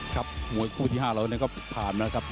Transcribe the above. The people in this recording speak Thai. ครับมวยคู่ที่ห้าเราก็ผ่านแล้วครับ